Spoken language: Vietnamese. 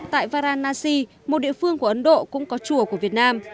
tại varannasi một địa phương của ấn độ cũng có chùa của việt nam